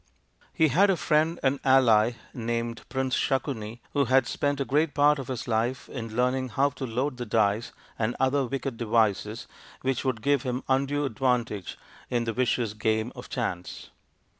He had a friend and ally named Prince Sakuni, who had spent a great part of his life in learning how to load the dice and other wicked devices which would give him undue advantage in the vicious game of chance.